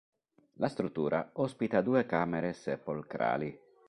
La struttura ospita due camere sepolcrali.